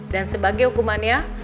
dan sebagai hukumannya